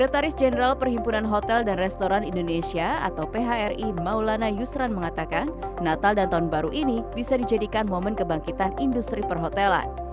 sekretaris jenderal perhimpunan hotel dan restoran indonesia atau phri maulana yusran mengatakan natal dan tahun baru ini bisa dijadikan momen kebangkitan industri perhotelan